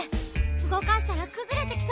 うごかしたらくずれてきそうよ。